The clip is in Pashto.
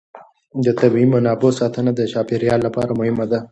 د طبیعي منابعو ساتنه د چاپېر یال لپاره مهمه ده.